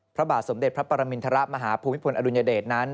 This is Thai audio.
พระบาทสมเด็จพระประมินธระมหาภูมิฑวรรณอดุญเดชนั้น